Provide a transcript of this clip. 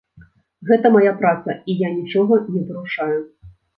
Гэта мая праца, і я нічога не парушаю.